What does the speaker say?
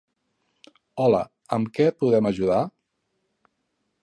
Hola, amb què et podem ajudar?